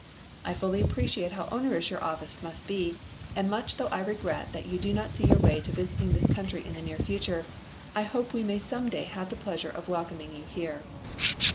I fully appreciate how onerous your office must be and much though I regret that you do not see your way to visiting this country in the near future, I hope we may some day have the pleasure of welcoming you here."